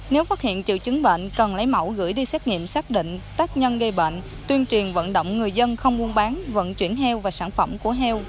nếu phát hiện triệu chứng bệnh cần lấy mẫu gửi đi xét nghiệm xác định tác nhân gây bệnh tuyên truyền vận động người dân không buôn bán vận chuyển heo và sản phẩm của heo